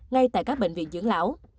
ngay tại các bệnh viện dưỡng lão